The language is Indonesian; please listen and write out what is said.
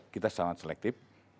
kita sangat selektif